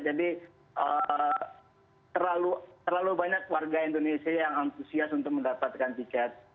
jadi terlalu banyak warga indonesia yang antusias untuk mendapatkan tiket